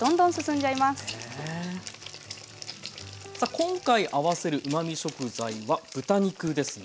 今回合わせるうまみ食材は豚肉ですね。